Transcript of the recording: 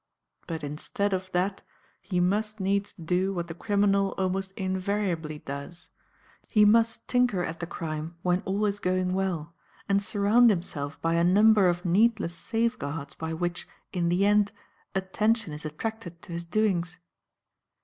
But instead of that he must needs do what the criminal almost invariably does; he must tinker at the crime when all is going well and surround himself by a number of needless safeguards by which, in the end, attention is attracted to his doings.